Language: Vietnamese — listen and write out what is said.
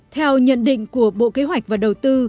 theo nhận định của bộ kế hoạch và đầu tư